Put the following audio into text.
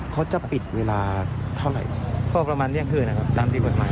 เขาจะปิดเวลาเท่าไหร่ก็ประมาณเที่ยงคืนนะครับตามที่กฎหมาย